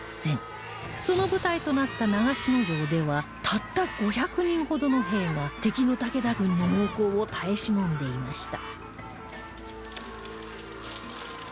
その舞台となった長篠城ではたった５００人ほどの兵が敵の武田軍の猛攻を耐え忍んでいました